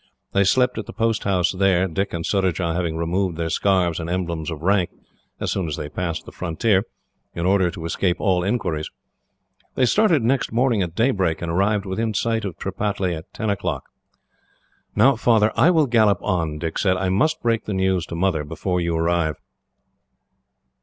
They slept at the post house there, Dick and Surajah having removed their scarves and emblems of rank, as soon as they passed the frontier, in order to escape all inquiries. They started next morning at daybreak, and arrived within sight of Tripataly at ten o'clock. "Now, Father, I will gallop on," Dick said. "I must break the news to Mother, before you arrive."